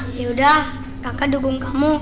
yaudah kakak dukung kamu